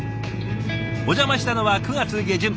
お邪魔したのは９月下旬。